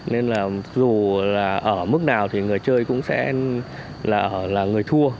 nên là dù là ở mức nào thì người chơi cũng sẽ là người thua